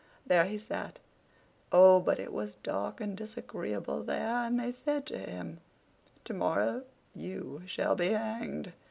There he sat. Oh, but it was dark and disagreeable there! And they said to him: "To morrow you shall be hanged."